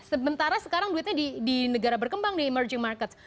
sementara sekarang duitnya di negara berkembang di emerging markets